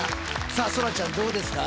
さあそらちゃんどうですか？